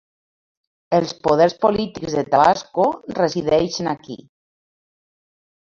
Els poders polítics de Tabasco resideixen aquí.